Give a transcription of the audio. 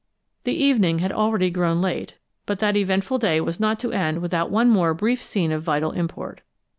The evening had already grown late, but that eventful day was not to end without one more brief scene of vital import.